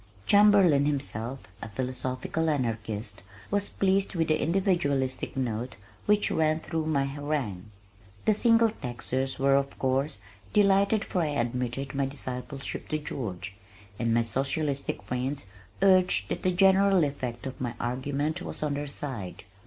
Chamberlin, himself a "philosophical anarchist," was pleased with the individualistic note which ran through my harangue. The Single Taxers were of course, delighted for I admitted my discipleship to George, and my socialistic friends urged that the general effect of my argument was on their side.